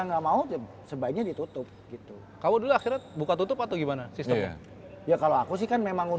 nggak mau sebaiknya ditutup gitu kamu dulu akhirnya buka tutup atau gimana sistem ya kalau aku sih kan memang